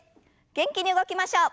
元気に動きましょう。